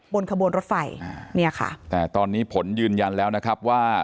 บนขบวนรถไฟอ่าเนี่ยค่ะแต่ตอนนี้ผลยืนยันแล้วนะครับว่า